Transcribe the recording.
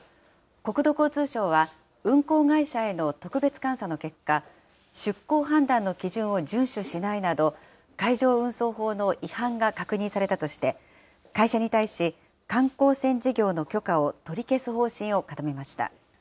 国土交通省は、運航会社への特別監査の結果、出航判断の基準を順守しないなど、海上運送法の違反が確認されたとして、会社に対し、観光船事業の許可を取り消す方針を固めました。